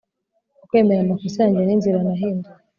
kwemera amakosa yanjye n'inzira nahinduye